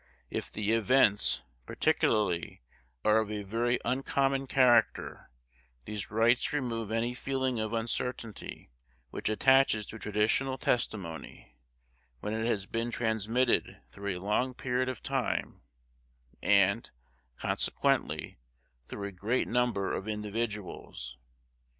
"If the events, particularly, are of a very uncommon character, these rites remove any feeling of uncertainty which attaches to traditional testimony, when it has been transmitted through a long period of time, and, consequently, through a great number of individuals.